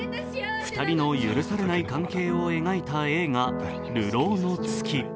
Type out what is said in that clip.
２人の許されない関係を描いた映画「流浪の月」。